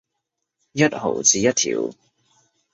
一毫子一條